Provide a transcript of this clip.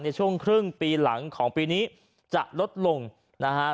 ในช่วงครึ่งปีหลังของปีนี้จะลดลงนะฮะ